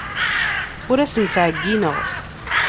Ur asen-ttɛeyyineɣ.